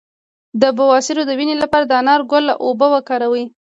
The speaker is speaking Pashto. د بواسیر د وینې لپاره د انار د ګل اوبه وکاروئ